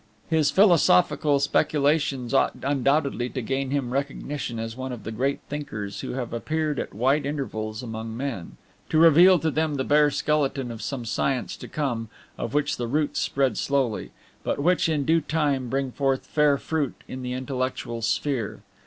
His philosophical speculations ought undoubtedly to gain him recognition as one of the great thinkers who have appeared at wide intervals among men, to reveal to them the bare skeleton of some science to come, of which the roots spread slowly, but which, in due time, bring forth fair fruit in the intellectual sphere.